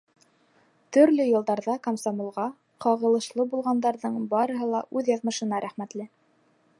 Төрлө йылдарҙа комсомолға ҡағылышлы булғандарҙың барыһы ла үҙ яҙмышына рәхмәтле.